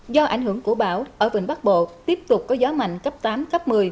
do ảnh hưởng của bão ở vịnh bắc bộ tiếp tục có gió mạnh cấp tám cấp một mươi